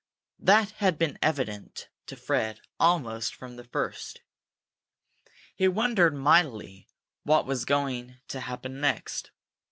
That had been evident to Fred almost from the first. He wondered mightily what was going to happen next.